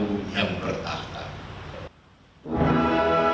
jauh yang bertahap